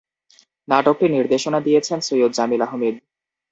নাটকটি নির্দেশনা দিয়েছেন সৈয়দ জামিল আহমেদ।